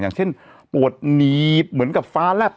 อย่างเช่นปวดหนีบเหมือนกับฟ้าแลบ